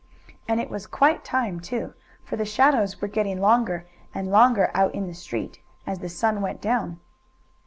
And it was quite time, too, for the shadows were getting longer and longer out in the street, as the sun went down.